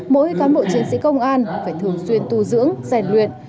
mỗi cán bộ chiến sĩ công an phải thường xuyên tu dưỡng rèn luyện